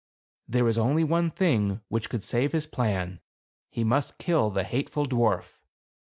There was only one thing which could save his plan ; he must kill the hateful dwarf.